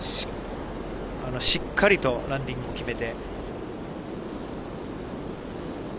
しっかりとランディングを決めて。